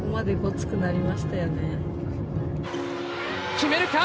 決めるか！？